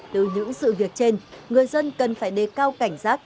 từ những sự việc trên người dân cần phải đề cao cảnh giác